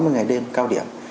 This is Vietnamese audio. sáu mươi ngày đêm cao điểm